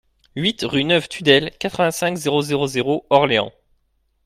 huit rue Neuve Tudelle, quarante-cinq, zéro zéro zéro, Orléans